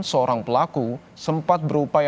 seorang pelaku sempat berupaya